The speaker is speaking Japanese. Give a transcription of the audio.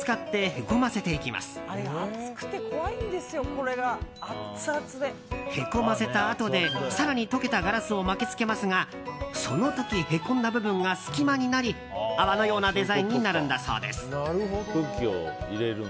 へこませたあとで更に溶けたガラスを巻き付けますがその時へこんだ部分が隙間になり泡のようなデザインになるんだそうです。